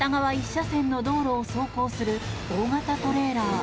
１車線の道路を走行する大型トレーラー。